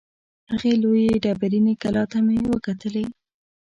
هغې لویې ډبریني کلا ته مې وکتلې.